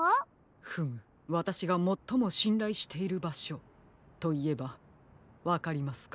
フムわたしがもっともしんらいしているばしょといえばわかりますか？